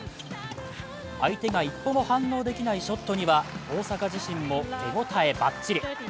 相手が一歩も反応できないショットには大坂自身も手応えバッチリ。